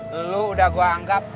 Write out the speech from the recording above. lu udah gua anggap